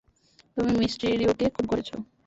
তুমি মিস্টিরিওকে খুন করেছ?